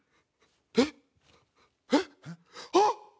えっ？えっ？あっ！